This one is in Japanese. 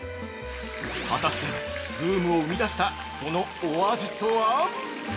果たして、ブームを生み出したそのお味とは？